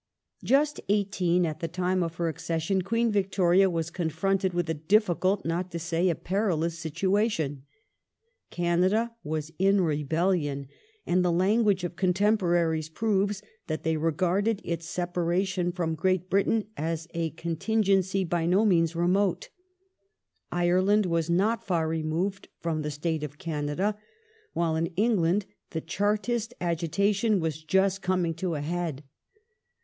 Just eighteen at the time of her accession, Queen Victoria was The situa confionted with a difficult not to say a perilous situation. Canada '*°" was in rebellion, and the language of contemporaries proves that they regarded its separation from Great Britain as a contin gency by no means remote ; Ireland was not far removed from the state of Canada ; while in England the Chai tist agitation was just coming to a head.